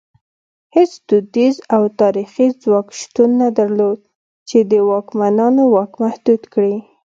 هېڅ دودیز او تاریخي ځواک شتون نه درلود چې د واکمنانو واک محدود کړي.